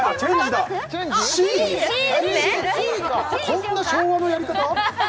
こんな昭和のやり方？